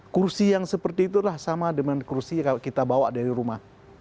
kursi yang seperti itulah sama dengan kursi yang kita bawa dari rumah